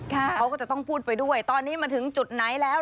เขาก็จะต้องพูดไปด้วยตอนนี้มาถึงจุดไหนแล้ว